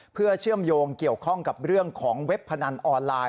เพื่อเชื่อมโยงเกี่ยวข้องกับเรื่องของเว็บพนันออนไลน์